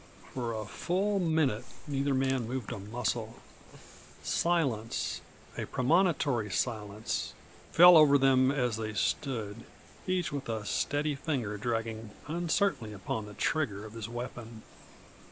For a full minute neither man moved a muscle. Silence a premonitory silence fell over them as they stood, each with a steady finger dragging uncertainly upon the trigger of his weapon.